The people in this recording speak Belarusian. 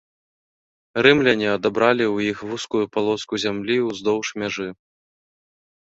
Рымляне адабралі ў іх вузкую палоску зямлі ўздоўж мяжы.